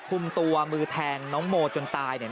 คุมตัวมือแทงน้องโมจนตาย